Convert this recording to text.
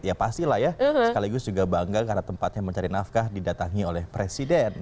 ya pastilah ya sekaligus juga bangga karena tempatnya mencari nafkah didatangi oleh presiden